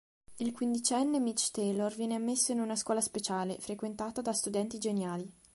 Il quindicenne Mitch Taylor viene ammesso in una scuola speciale, frequentata da studenti geniali.